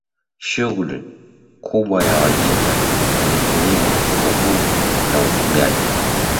Shughuli kubwa ya Wajita ni kilimo uvuvi na ufugaji